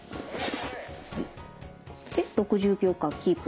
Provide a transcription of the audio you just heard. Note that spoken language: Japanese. で６０秒間キープ。